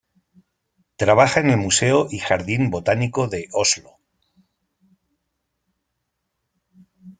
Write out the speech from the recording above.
Trabaja en el Museo y Jardín botánico de Oslo.